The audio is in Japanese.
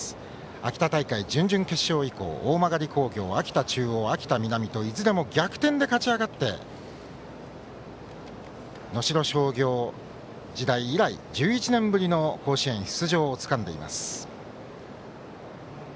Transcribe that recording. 秋田大会準々決勝以降大曲工業、秋田中央秋田南といずれも逆転で勝ち上がって能代商業時代以来１１年ぶりの甲子園出場をつかんでいます。